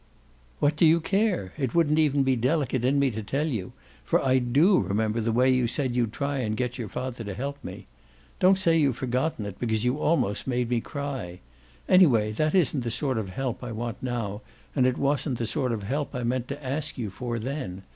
"What do you care? It wouldn't even be delicate in me to tell you; for I DO remember the way you said you'd try and get your father to help me. Don't say you've forgotten it, because you almost made me cry. Anyway, that isn't the sort of help I want now and it wasn't the sort of help I meant to ask you for then.